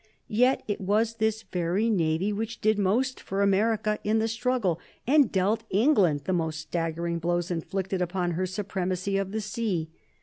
Yet it was this very navy which did most for America in the struggle, and dealt England the most staggering blows inflicted upon her supremacy of the sea.